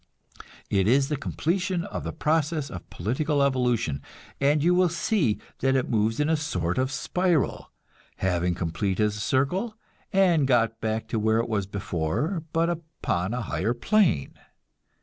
It is the completion of the process of political evolution, and you will see that it moves in a sort of spiral; having completed a circle and got back where it was before, but upon a higher plane.